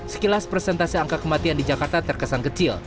sekilas persentase angka kematian di jakarta terkesan kecil